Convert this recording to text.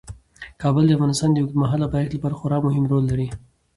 کابل د افغانستان د اوږدمهاله پایښت لپاره خورا مهم رول لري.